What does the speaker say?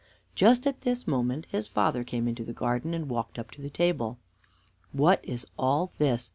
Just at this moment his father came into the garden, and walked up to the table. "What is all his?"